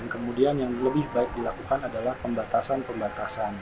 kemudian yang lebih baik dilakukan adalah pembatasan pembatasan